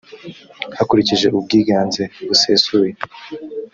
hakurikijwe ubwiganze busesuye.